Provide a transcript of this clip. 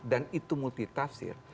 dan itu multitafsir